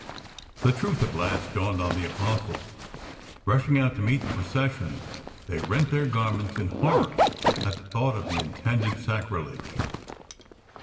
The truth at last dawned on the Apostles. Rushing out to meet the procession, they rent their garments in horror at the thought of the intended sacrilege.